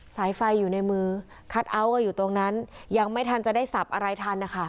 สายไฟอยู่ในมือคัทเอาท์ก็อยู่ตรงนั้นยังไม่ทันจะได้สับอะไรทันนะคะ